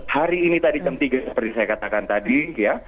hari ini tadi jam tiga seperti saya katakan tadi ya